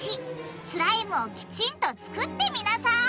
スライムをきちんと作ってみなさい！